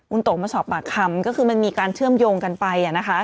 คุณโตมาสอบปากคำก็คือมันมีการเชื่อมโยงกันไปนะคะ